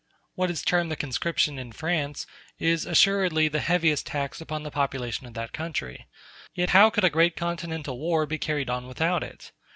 What is termed the conscription in France is assuredly the heaviest tax upon the population of that country; yet how could a great continental war be carried on without it?